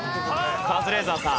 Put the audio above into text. カズレーザーさん。